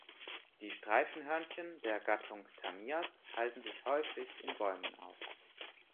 Die Streifenhörnchen der Gattung „Tamias“ halten sich häufig in Bäumen auf.